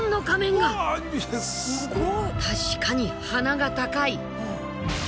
確かに鼻が高い。